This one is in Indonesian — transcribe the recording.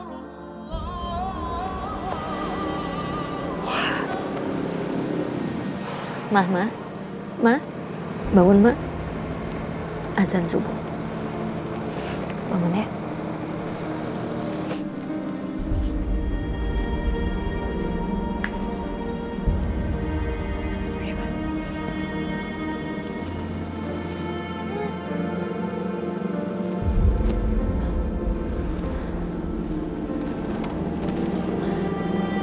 hanya siapa yang melakukan bahwalaughingrka lucu